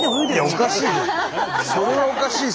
いやおかしい！